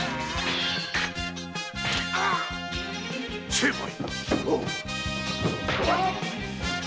成敗！